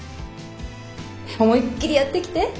思いっきりやってきて。